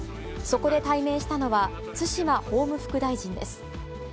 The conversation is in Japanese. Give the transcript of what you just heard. そこで対面したのは、津島法務副大臣です。